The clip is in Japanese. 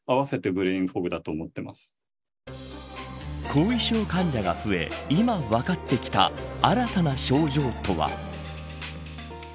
後遺症患者が増え今、分かってきた新たな症状とは。